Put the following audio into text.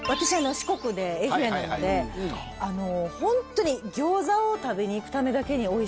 四国で愛媛なのでホントに餃子を食べに行くためだけにおいしい餃子を。